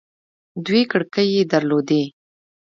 دوې کړکۍ يې در لودې.